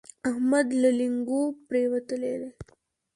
احمد له لېنګو پرېوتلی دی.